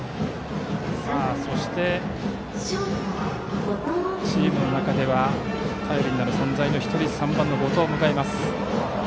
そして、チームの中では頼りになる存在の１人３番、後藤を迎えます。